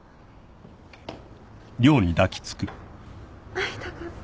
会いたかった。